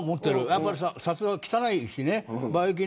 やっぱり札は汚いしね。